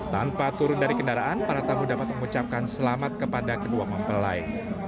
tanpa turun dari kendaraan para tamu dapat mengucapkan selamat kepada kedua mempelai